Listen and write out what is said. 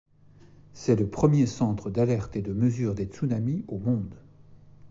C'est le premier centre d'alerte et de mesure des tsunamis au monde.